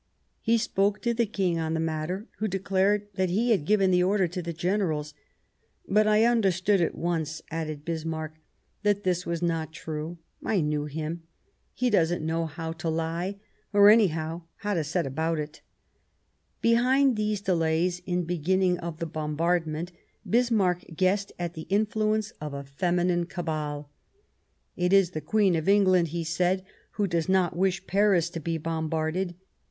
He spoke to the King on the matter, who declared that he had given the order to the generals. " But I understood at once," added Bismarck, " that this was not true. I know him. He doesn't know how to lie, or, anyhow, how to set about it," Behind these delays in beginning the bombard ment Bismarck guessed at the influence of a feminine cabal : "It is the Queen of England," he said, " who does not wish Paris to be bombarded.